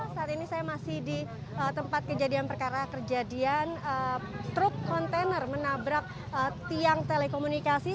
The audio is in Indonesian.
saat ini saya masih di tempat kejadian perkara kejadian truk kontainer menabrak tiang telekomunikasi